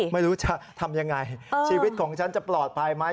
ไม่รู้จะทำยังไงชีวิตของฉันจะปลอดภัยไหม